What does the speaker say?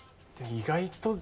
意外と？